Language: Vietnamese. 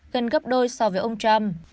gần gấp đôi so với ông trump